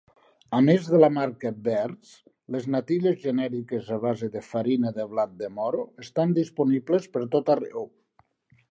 A més de la marca Bird's, les natilles genèriques a base de farina de blat de moro estan disponibles per tot arreu.